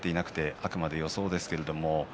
あくまで予想です。